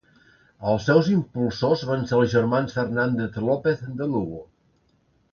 Els seus impulsors van ser els germans Fernández López, de Lugo.